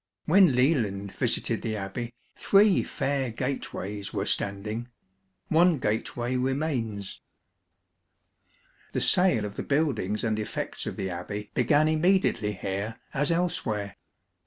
When Leland visited the abbey three fair gateways were standing. One gateway remains, TORRE ABBEY The sale of the buildings and effects of the abbey begare immediately here as elsewhere.